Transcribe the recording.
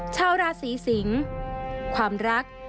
ชาวราศีสิงศ์ความรัก